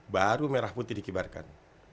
baru merah putih dikibarkan